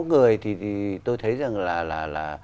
người thì tôi thấy rằng là